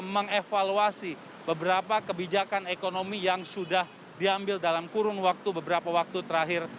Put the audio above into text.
mengevaluasi beberapa kebijakan ekonomi yang sudah diambil dalam kurun waktu beberapa waktu terakhir